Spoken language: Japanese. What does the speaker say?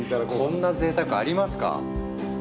こんな贅沢ありますか？